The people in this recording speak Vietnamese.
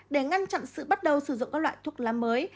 để ngăn chặn sự bắt đầu sử dụng các loại thuốc lá mới